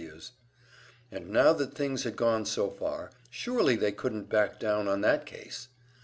Ws. And now that things had gone so far, surely they couldn't back down on that case!